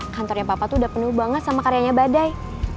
kantornya papa tuh udah penuh banget sama karyanya badai